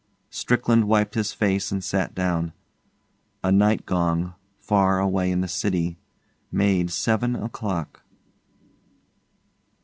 Strickland wiped his face and sat down. A night gong, far away in the city, made seven o'clock.